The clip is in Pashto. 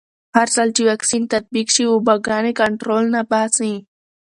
هرځل چې واکسین تطبیق شي، وباګانې کنټرول نه باسي.